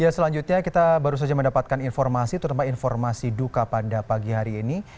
selanjutnya kita baru saja mendapatkan informasi terutama informasi duka pada pagi hari ini